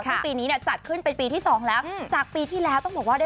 ซึ่งปีนี้เนี่ยจัดขึ้นเป็นปีที่๒แล้ว